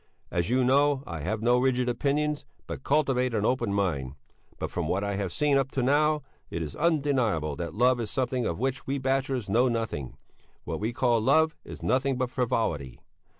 As you know, I have no rigid opinions, but cultivate an open mind; but from what I have seen up to now, it is undeniable that love is something of which we bachelors know nothing what we call love is nothing but frivolity.